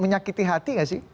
menyakiti hati nggak sih